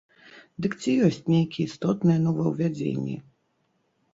Дык ці ёсць нейкія істотныя новаўвядзенні?